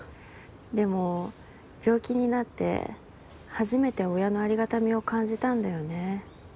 でも病気になって初めて親のありがたみを感じたんだよね。